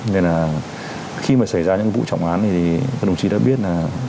nên là khi mà xảy ra những vụ trọng án thì các đồng chí đã biết là